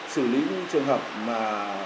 xử lý những trường hợp mà